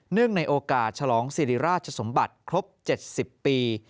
ในโอกาสฉลองสิริราชสมบัติครบ๗๐ปี